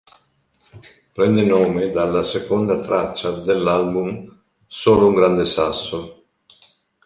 Prende nome dalla seconda traccia dell'album "Solo un grande sasso".